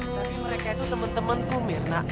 tapi mereka itu temen temenku mirna